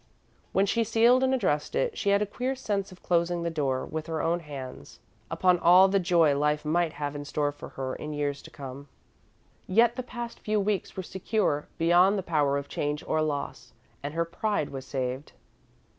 When she sealed and addressed it, she had a queer sense of closing the door, with her own hands, upon all the joy Life might have in store for her in years to come. Yet the past few weeks were secure, beyond the power of change or loss, and her pride was saved.